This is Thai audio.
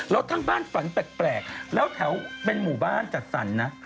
แล้วทั้งบ้านฝันแปลกแล้วแถวเป็นหมู่บ้านจัดสรรนะ